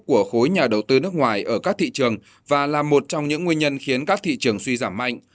của khối nhà đầu tư nước ngoài ở các thị trường và là một trong những nguyên nhân khiến các thị trường suy giảm mạnh